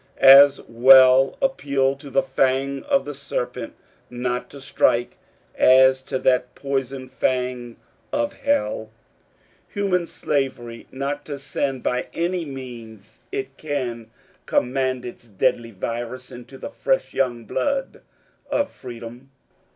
As well appeal to the fang of the serpent not to strike as to that poisoned fang of Hell, Human Slavery, not to send by any means it can command its deadly virus into the fresh young blood of Freedom.